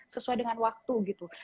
sesuai dengan waktu gitu